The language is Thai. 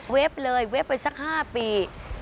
เลยเว็บไปสัก๕ปี